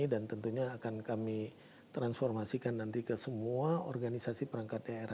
dan tentunya akan kami transformasikan nanti ke semua organisasi perangkat daerah di kepri